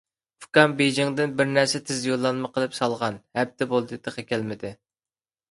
ئۇكام بېيجىڭدىن بىر نەرسىنى تېز يوللانما قىلىپ سالغان. ھەپتە بولدى، تېخى كەلمىدى.